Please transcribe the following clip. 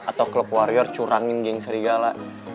atau klub warrior curangin geng serigala